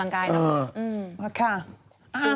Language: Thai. ความลังกายเนอะเออ